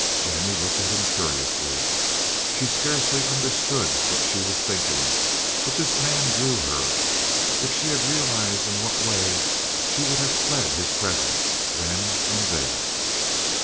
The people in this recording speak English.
Jennie looked at him curiously. She scarcely understood what she was thinking, but this man drew her. If she had realized in what way she would have fled his presence then and there.